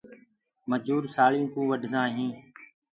مجوُر سآݪینٚ ڪوُ وڍدآ هينٚ